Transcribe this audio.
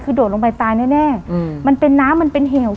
คือโดดลงไปตายแน่มันเป็นน้ำมันเป็นเหว